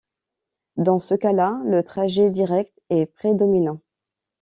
Dans ce cas là, le trajet direct est prédominant.